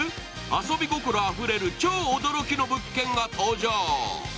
遊び心あふれる、超驚きの物件が登場。